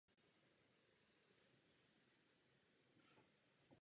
Sarajevo obestírá atmosféra, která je jak multikulturní, tak evropská.